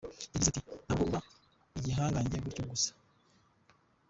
Yagize ati: “Ntabwo uba igihangange gutyo gusa.